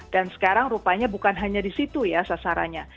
dan sekarang rupanya bukan hanya di situ ya sasarannya